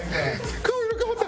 顔色変わった！